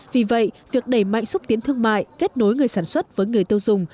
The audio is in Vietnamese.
vì vậy việc đẩy mạnh xúc tiến thương mại kết nối người sản xuất với người tiêu dùng